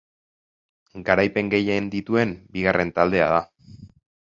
Garaipen gehien dituen bigarren taldea da.